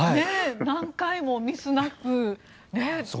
何回もミスなくね。